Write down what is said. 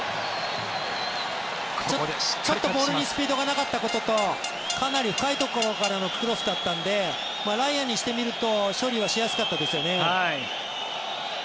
ちょっとボールにスピードがなかったこととかなり深いところからのクロスだったのでライアンにしてみると処理はしやすかったですよね。